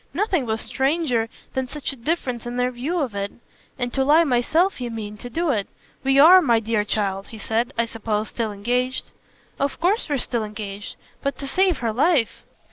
Nothing was stranger than such a difference in their view of it. "And to lie myself, you mean, to do it? We ARE, my dear child," he said, "I suppose, still engaged." "Of course we're still engaged. But to save her life